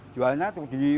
jualnya tuh di